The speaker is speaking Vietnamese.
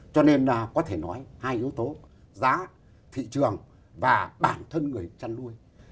cho nên có thể nói hai yếu tố giá thị trường và bản thân người chăn nuôi